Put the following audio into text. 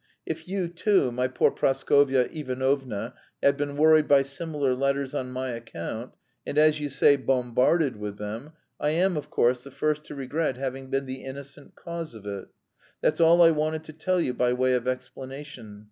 If you too, my poor Praskovya Ivanovna, have been worried by similar letters on my account, and as you say 'bombarded' with them, I am, of course, the first to regret having been the innocent cause of it. That's all I wanted to tell you by way of explanation.